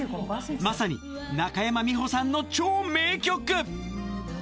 まさに中山美穂さんの超名曲。